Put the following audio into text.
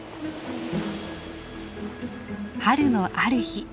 春のある日。